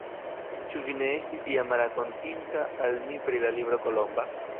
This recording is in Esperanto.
Ĉu vi ne estis iam rakontinta al mi pri la libro Kolomba?